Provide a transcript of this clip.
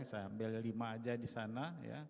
saya ambil lima aja disana